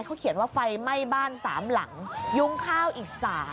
เขาเขียนว่าไฟไหม้บ้าน๓หลังยุ้งข้าวอีก๓